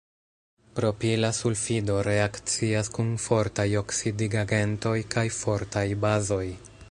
Propila sulfido reakcias kun fortaj oksidigagentoj kaj fortaj bazoj.